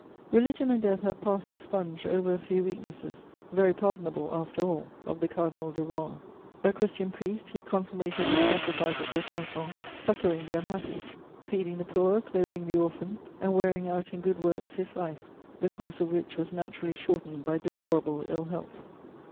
Religion and death have passed the sponge over a few weaknesses, very pardonable after all, of the Cardinal de Rohan. A Christian priest, he consummated his sacrifice at Besançon, succouring the unhappy, feeding the poor, clothing the orphan, and wearing out in good works his life, the course of which was naturally shortened by deplorable ill health.